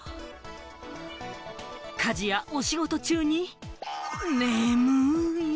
家事や、お仕事中に眠い！